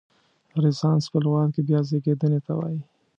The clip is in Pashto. رنسانس په لغت کې بیا زیږیدنې ته وایي.